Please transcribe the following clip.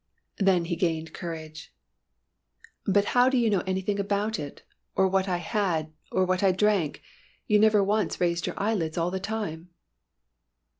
Then he gained courage. "But how did you know anything about it or what I had or what I drank? You never once raised your eyelids all the time!"